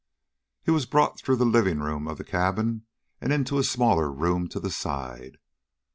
He was brought through the living room of the cabin and into a smaller room to the side.